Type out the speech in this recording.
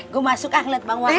gue masuk ah liat bang wahab